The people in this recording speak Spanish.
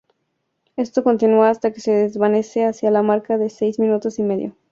Esto continúa hasta que se desvanece hacia la marca de seis minutos y medio.